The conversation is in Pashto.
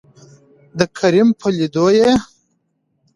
دکريم په لېدولو يې